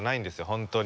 本当に。